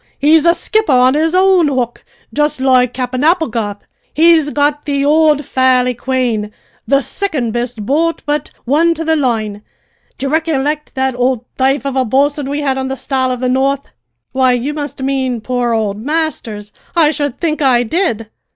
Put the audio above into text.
He's a skipper on his own hook, jist loike Cap'en Applegarth. He's got the ould Fairi Quane, the sicond best boat but one to the line. D'ye ricollict that ould thaife of a bo'sun we had on the Star of the North?" "Why, you must mean poor old Masters! I should think I did."